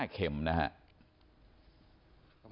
๑๕เข็มนะฮะ